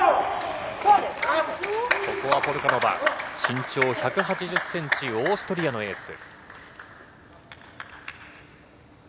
ここはポルカノバ、身長１８０センチ、オーストリアのエース。